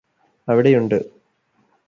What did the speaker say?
അവിടെയുണ്ട്